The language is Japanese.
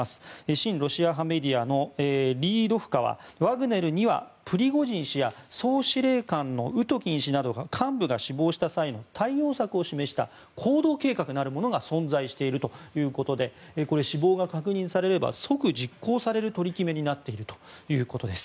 親ロシア派メディアのリードフカはワグネルにはプリゴジン氏や総司令官のウトキン氏など幹部が死亡した際の対応策を示した行動計画なるものが存在しているということで死亡が確認されれば即実行される取り決めになっているということです。